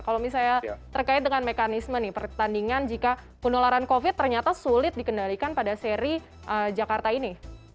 kalau misalnya terkait dengan mekanisme nih pertandingan jika penularan covid ternyata sulit dikendalikan pada seri jakarta ini